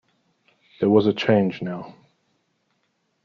There was a change now.